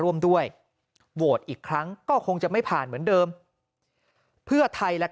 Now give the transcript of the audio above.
ร่วมด้วยโหวตอีกครั้งก็คงจะไม่ผ่านเหมือนเดิมเพื่อไทยและ